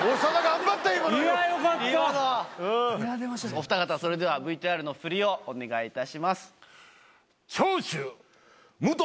お二方それではＶＴＲの振りをお願いいたします。